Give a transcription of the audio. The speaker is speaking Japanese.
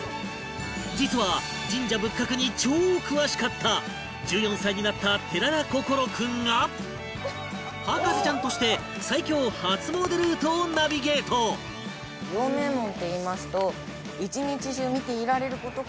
実は神社仏閣に超詳しかった１４歳になった寺田心君が博士ちゃんとして最強初詣ルートをナビゲートそうなんだ。